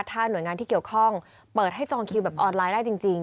ถ้าหน่วยงานที่เกี่ยวข้องเปิดให้จองคิวแบบออนไลน์ได้จริง